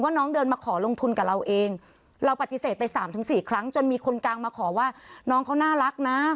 น้องเดินมาขอลงทุนกับเราเองเราปฏิเสธไปสามถึงสี่ครั้งจนมีคนกลางมาขอว่าน้องเขาน่ารักนะ